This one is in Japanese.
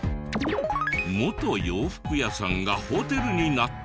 元洋服屋さんがホテルになった？